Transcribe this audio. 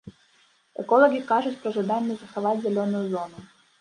Эколагі кажуць пра жаданне захаваць зялёную зону.